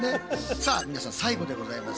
さあ皆さん最後でございます。